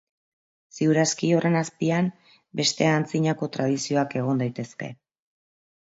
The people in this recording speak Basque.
Ziur aski horren azpian beste antzinako tradizioak egon daitezke.